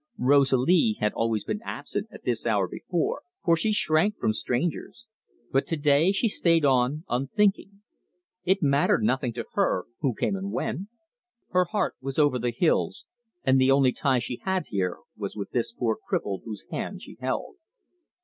Rosalie had always been absent at this hour before, for she shrank from strangers; but to day she had stayed on unthinking. It mattered nothing to her who came and went. Her heart was over the hills, and the only tie she had here was with this poor cripple whose hand she held.